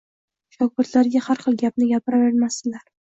Shogirdlarga har xil gapni gapiravermasdilar.